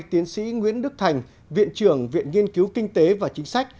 tiến sĩ nguyễn đức thành viện trưởng viện nghiên cứu kinh tế và chính sách